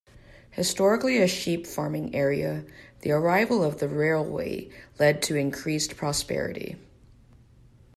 Historically a sheep farming area, the arrival of the railway led to increased prosperity.